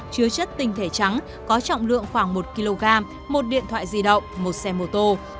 chứa chất tinh thể trắng có trọng lượng khoảng một kg một điện thoại di động một xe mô tô